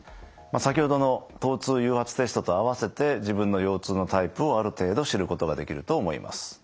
先ほどの疼痛誘発テストと併せて自分の腰痛のタイプをある程度知ることができると思います。